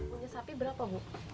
punya sapi berapa bu